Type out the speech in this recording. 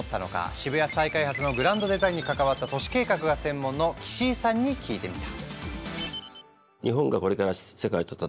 渋谷再開発のグランドデザインに関わった都市計画が専門の岸井さんに聞いてみた。